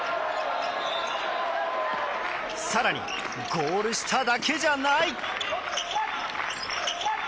更にゴール下だけじゃない！